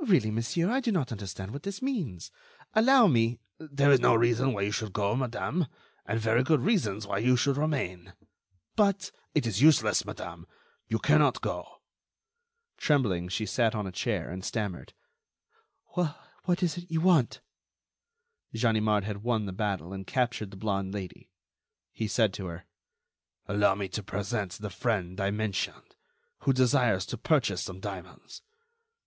"Really, monsieur, I do not understand what this means. Allow me—" "There is no reason why you should go, madame, and very good reasons why you should remain." "But—" "It is useless, madame. You cannot go." Trembling, she sat on a chair, and stammered: "What is it you want?" Ganimard had won the battle and captured the blonde Lady. He said to her: "Allow me to present the friend I mentioned, who desires to purchase some diamonds.